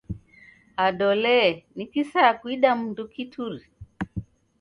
Ado lee, ni kisaya kuida mndu kituri?